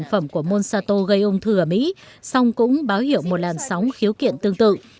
phẩm của monsato gây ung thư ở mỹ song cũng báo hiệu một làn sóng khiếu kiện tương tự